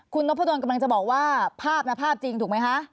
คุณนพดลกำลังจะบอกว่าภาพนะภาพจริงถูกไหมคะ